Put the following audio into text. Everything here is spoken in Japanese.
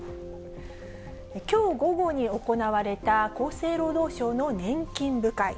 きょう午後に行われた、厚生労働省の年金部会。